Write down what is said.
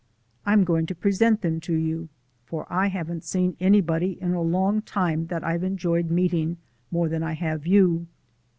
I'm going to present them to you for I haven't seen anybody in a long time that I've enjoyed meeting more than I have you."